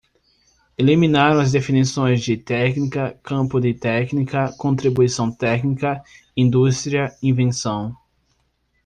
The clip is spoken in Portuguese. Eliminaram as definições de "técnica", "campo de técnica", "contribuição técnica", "indústria", "invenção".